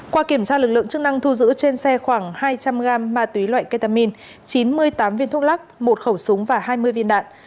qua kiểm tra lực lượng chức năng thu giữ trên xe khoảng hai trăm linh g ma túy loại ketamin chín mươi tám viên thuốc lắc một khẩu súng và hai mươi viên đạn